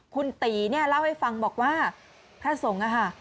คุณตีเนี่ยเล่าให้ฟังบอกว่าพระสงฆ์นะคะ